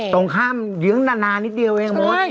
ตรงข้ามเยื้องนานนิดเดียวเองมด